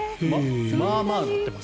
まあまあ乗ってます。